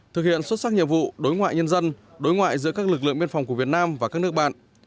thực hiện xuất sắc nhiệm vụ đối ngoại nhân dân đối ngoại giữa các lực lượng biên phòng của việt nam và các nước bạn